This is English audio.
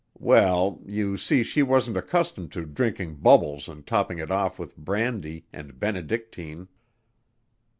"Well, you see she wasn't accustomed to drinking bubbles and topping it off with brandy and benedictine."